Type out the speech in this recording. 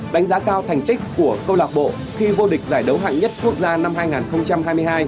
đánh giá cao thành tích của câu lạc bộ khi vô địch giải đấu hạng nhất quốc gia năm hai nghìn hai mươi hai